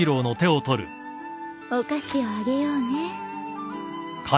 お菓子をあげようね。